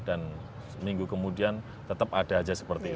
dan minggu kemudian tetap ada saja seperti itu